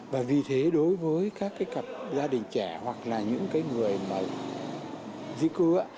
và vì thế đối với các cái cặp gia đình trẻ hoặc là những cái người mà di cư